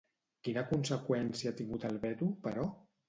Quina conseqüència ha tingut el veto, però?